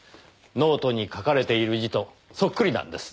ノートに書かれている字とそっくりなんです。